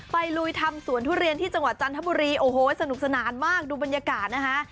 ลุยทำสวนทุเรียนที่จังหวัดจันทบุรีโอ้โหสนุกสนานมากดูบรรยากาศนะคะ